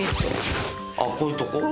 あっこういうとこ？ああ。